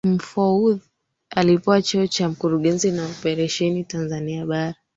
Mahfoudhi alipewa cheo cha Mkurugenzi wa Operesheni Tanzania Bara